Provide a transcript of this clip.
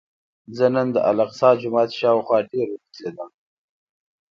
زه نن د الاقصی جومات شاوخوا ډېر وګرځېدم.